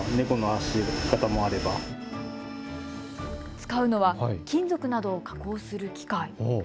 使うのは金属などを加工する機械。